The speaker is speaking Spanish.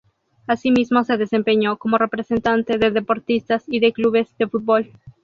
Asimismo se desempeñó como representante de deportistas y de clubes de fútbol.